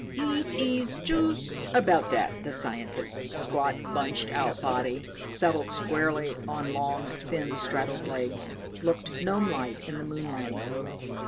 "It is just about that." The scientist's squat, bunched out body, settled squarely on long, thin, straddled legs, looked gnomelike in the moonlight.